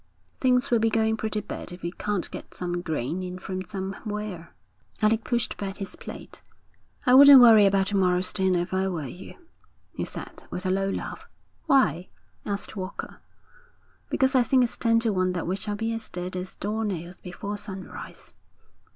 'Things will be going pretty bad if we can't get some grain in from somewhere.' Alec pushed back his plate. 'I wouldn't worry about to morrow's dinner if I were you,' he said, with a low laugh. 'Why?' asked Walker. 'Because I think it's ten to one that we shall be as dead as doornails before sunrise.'